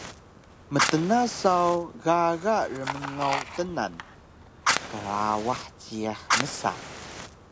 Mtna saw gaga rmngaw tnan “Krawah jiyax” msa